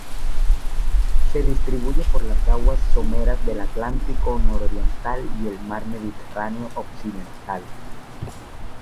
Se distribuye por las aguas someras del Atlántico nororiental y el mar Mediterráneo occidental.